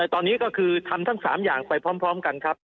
ตอนนี้ก็คือทำทั้ง๓อย่างไปพร้อมกันครับ